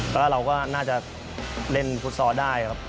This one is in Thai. แล้วก็เราก็น่าจะเล่นฟุตซอลได้ครับ